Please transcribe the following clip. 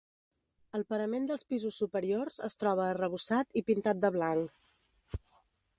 El parament dels pisos superiors es troba arrebossat i pintat de blanc.